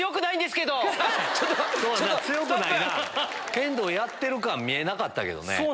剣道やってる感見えなかったけどね。